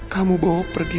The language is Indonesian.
kamu bawa pergi